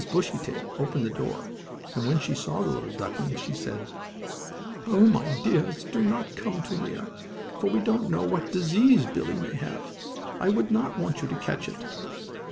Bushytail opened the door, and when she saw the little ducklings, she said: "Oh, my dears! Do not come too near, for we don't know what disease Billie may have. I would not want you to catch it."